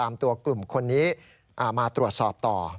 มาตรวจสอบต่อ